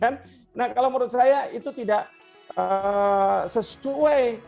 nah kalau menurut saya itu tidak sesuai